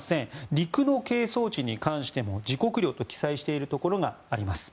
陸の係争地に関しても、自国領と記載しているところがあります。